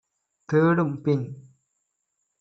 தேடும் - பின்